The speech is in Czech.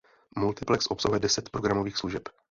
Multiplex obsahuje deset programových služeb.